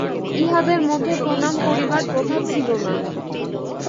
ইহাদের মধ্যে প্রণাম করিবার প্রথা ছিল না।